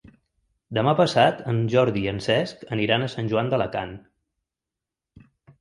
Demà passat en Jordi i en Cesc aniran a Sant Joan d'Alacant.